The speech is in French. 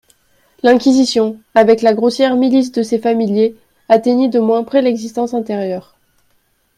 L'inquisition, avec la grossière milice de ses familiers, atteignit de moins près l'existence intérieure.